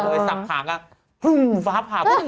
โดยสับผาก็ฟื้มฟ้าผาปุ้ม